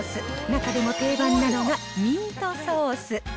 中でも定番なのがミートソース。